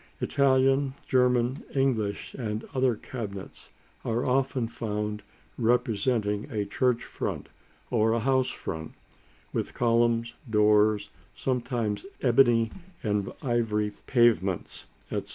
Italian, German, English, and other cabinets are often found representing a church front or a house front, with columns, doors, sometimes ebony and ivory pavements, etc.